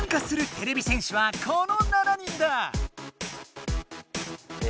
てれび戦士はこの７人だ！え